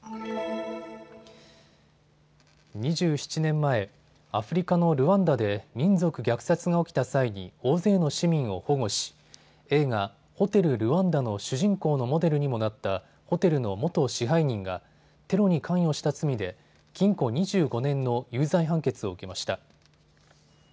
２７年前、アフリカのルワンダで民族虐殺が起きた際に大勢の市民を保護し映画、ホテル・ルワンダの主人公のモデルにもなったホテルの元支配人がテロに関与した罪で禁錮２５年の有罪判決を受けました。